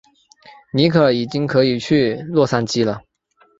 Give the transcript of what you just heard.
尼可已经可以去洛杉矶了。